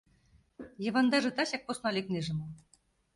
Йывандаже тачак посна лекнеже мо?